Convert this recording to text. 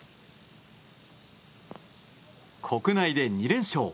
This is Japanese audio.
国内で２連勝。